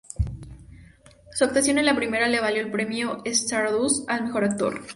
Su actuación en la primera le valió el Premio Stardust al Mejor Actor.